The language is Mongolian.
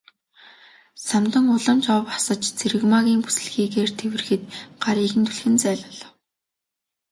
Самдан улам ч ов асаж Цэрэгмаагийн бүсэлхийгээр тэврэхэд гарыг нь түлхэн зайлуулав.